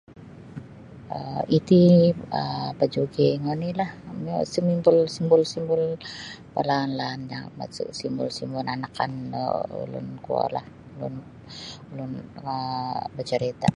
um Iti um bajuging onilah kamio sumimbul simbul-simbul palaan-laan masa simbul-simbul anak oni kaan ulun kuolah ulun um bacarita.